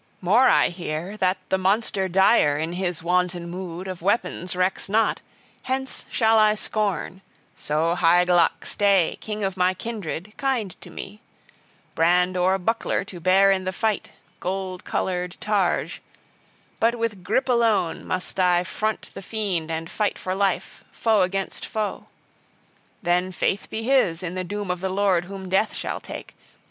More I hear, that the monster dire, in his wanton mood, of weapons recks not; hence shall I scorn so Hygelac stay, king of my kindred, kind to me! brand or buckler to bear in the fight, gold colored targe: but with gripe alone must I front the fiend and fight for life, foe against foe. Then faith be his in the doom of the Lord whom death shall take.